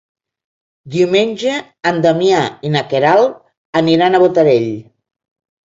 Diumenge en Damià i na Queralt aniran a Botarell.